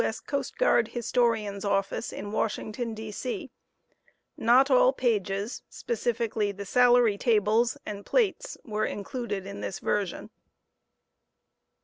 S. Coast Guard Historian's Office in Washington, D.C Not all pages (specifically the salary tables) and plates were included in this version.